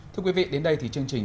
thưa quý vị đến đây thì chương trình